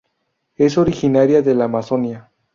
Es originaria de la Amazonía.